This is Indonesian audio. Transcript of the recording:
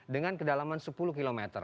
dengan kedalaman sepuluh km